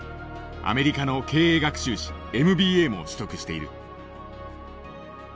アメリカの経営学修士ＭＢＡも取得している。